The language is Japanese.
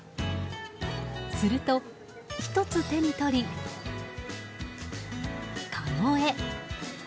すると、１つ手に取りかごへ。